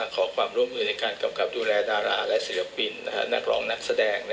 ขอความร่วมมือในการกำกับดูแลดาราและศิลปินนักร้องนักแสดง